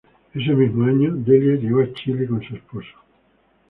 Ese mismo año, Delia llegó a Chile con su esposo.